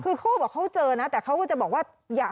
เขาเจอนะแต่เขาก็จะบอกว่า